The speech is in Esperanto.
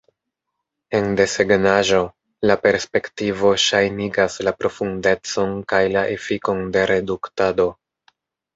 En desegnaĵo, la perspektivo ŝajnigas la profundecon kaj la efikon de reduktado.